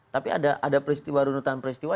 tapi ada peristiwa runutan peristiwa